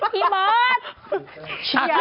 พี่หมด